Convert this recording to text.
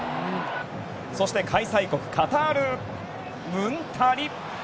そして開催国カタール、ムンタリ。